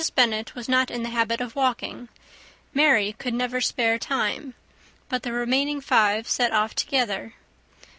Bennet was not in the habit of walking, Mary could never spare time, but the remaining five set off together.